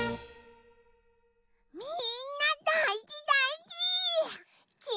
みんなだいじだいじ！